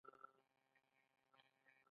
ایکسکوات یو ډول سمندری ژوی دی